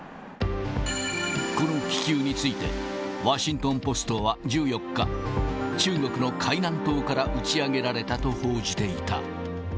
この気球について、ワシントンポストは１４日、中国の海南島から打ち上げられたと報じていた。